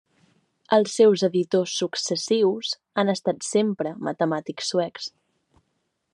Els seus editors successius han estat sempre matemàtics suecs.